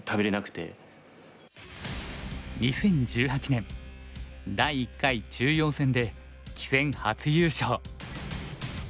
２０１８年第１回中庸戦で棋戦初優勝。